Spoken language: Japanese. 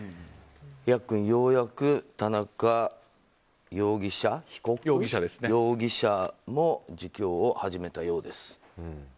ヤックン、ようやく田中容疑者も自供を始めたようです。